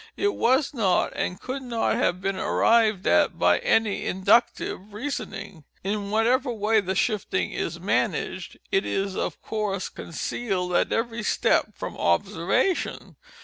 It was not, and could not have been, arrived at by any inductive reasoning. In whatever way the shifting is managed, it is of course concealed at every step from observation.